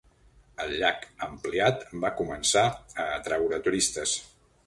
El llac ampliat va començar a atreure turistes.